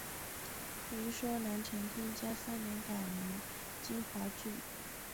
一说南陈天嘉三年改名金华郡。